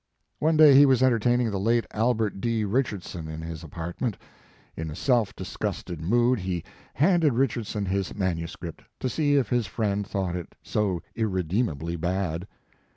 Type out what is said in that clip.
One day he was entertaining the late Albert D. Richardson in his apartment. In a self disgusted mood he handed Richardson his manuscript, to see if his friend thought it so irredeemably bad.